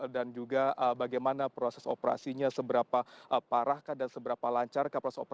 dan juga bagaimana proses operasinya seberapa parah dan seberapa lancar